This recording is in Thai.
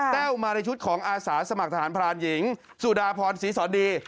มาในชุดของอาสาสมัครทหารพรานหญิงสุดาพรศรีสอนดี